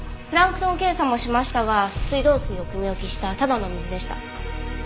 プランクトン検査もしましたが水道水をくみ置きしたただの水でした。